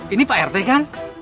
ini pak rt kan